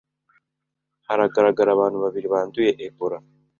hagaragaye abantu babiri banduye Ebola,